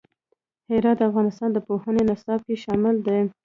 هرات د افغانستان د پوهنې نصاب کې شامل دي.